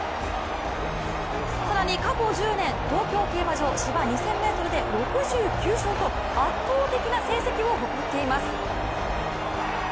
更に過去１０年、東京競馬場芝２０００ｍで６９勝と圧倒的な成績を誇っています。